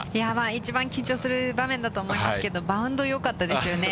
一番緊張する場面だと思いますけれども、バウンドよかったですよね。